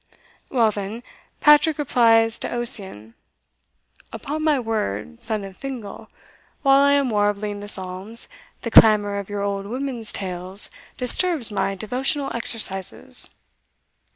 "Well then, Patrick replies to Ossian: Upon my word, son of Fingal, While I am warbling the psalms, The clamour of your old women's tales Disturbs my devotional exercises."